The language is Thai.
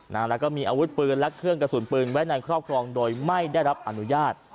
แล้วก็มีอาวุธปืนและเครื่องกระสุนปืนไว้ในครอบครองโดยไม่ได้รับอนุญาต